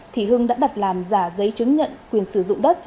thì hưng đã đặt làm giả giấy chứng nhận quyền sử dụng đất